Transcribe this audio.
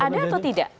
ada atau tidak